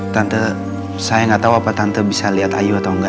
tante saya gak tau apa tante bisa liat ayu atau engga